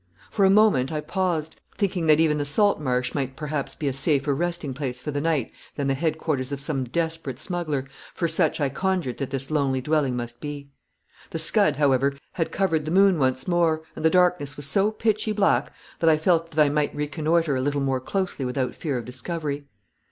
For a moment I paused, thinking that even the salt marsh might perhaps be a safer resting place for the night than the headquarters of some desperate smuggler, for such I conjectured that this lonely dwelling must be. The scud, however, had covered the moon once more, and the darkness was so pitchy black that I felt that I might reconnoitre a little more closely without fear of discovery.